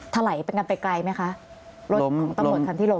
ถลายเป็นกันไปไกลไหมคะรถของตำรวจคันที่ลง